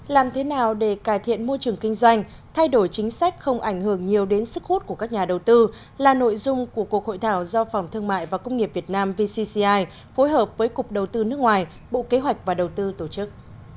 làm thế nào để cải thiện môi trường kinh doanh thay đổi chính sách không ảnh hưởng nhiều đến sức hút của các nhà đầu tư là nội dung của cuộc hội thảo do phòng thương mại và công nghiệp việt nam vcci phối hợp với cục đầu tư nước ngoài bộ kế hoạch và đầu tư tổ chức